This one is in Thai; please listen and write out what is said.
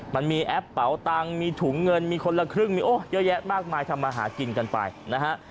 มันมีแอปเป๋าตังค์มีถุงเงินมีคนละครึ่งมีโอ้เยอะแยะมากมายทำมาหากินกันไปนะฮะ